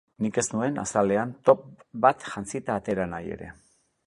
Nik ez nuen azalean top bat jantzita atera nahi ere!